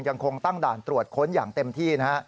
ยังคงตั้งด่านตรวจค้นอย่างเต็มที่นะฮะ